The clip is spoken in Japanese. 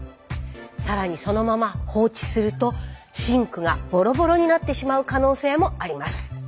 更にそのまま放置するとシンクがボロボロになってしまう可能性もあります。